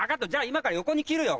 今から横に切るよ。